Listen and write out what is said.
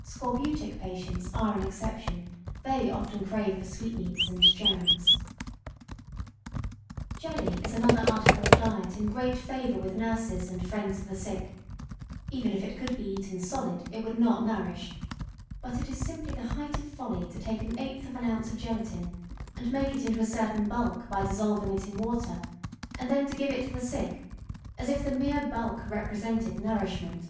Scorbutic patients are an exception, they often crave for sweetmeats and jams. [Sidenote: Jelly.] Jelly is another article of diet in great favour with nurses and friends of the sick; even if it could be eaten solid, it would not nourish, but it is simply the height of folly to take 1/8 oz. of gelatine and make it into a certain bulk by dissolving it in water and then to give it to the sick, as if the mere bulk represented nourishment.